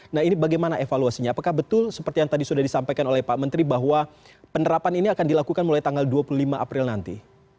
nah ini bagaimana evaluasinya apakah betul seperti yang tadi sudah disampaikan oleh pak menteri bahwa penerapan ini akan dilakukan mulai tanggal dua puluh lima april nanti